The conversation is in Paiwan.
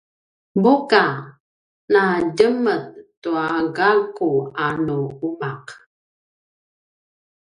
buka: na djemet tua gakku a nu umaq?